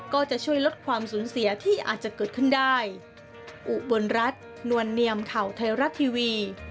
ก็จะช่วยลดความสูญเสียที่อาจจะเกิดขึ้นได้